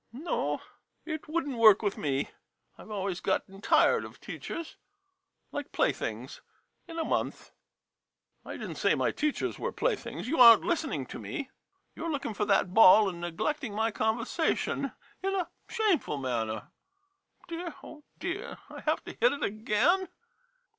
No — it would n't work with me. I Ve always got ten tired of teachers — like playthings — in a month ! I did n't say my teachers were play things — you are n't listening to me. You 're looking for that ball and neglecting my conversation in a shameful manner! Dear, oh, dear ! I have to hit it again